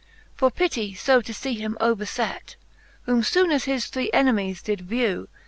For pitty fo to fee him overfet. Whom foone as his three enemies did vew.